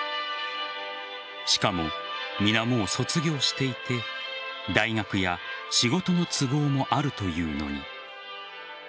しかも、皆、もう卒業していて大学や仕事の都合もあるというのに。